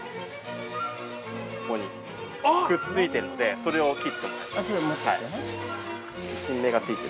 ここに、くっついてるんで、それを切ってもらって。